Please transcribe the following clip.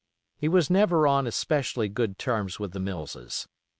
He was never on specially good terms with the Millses.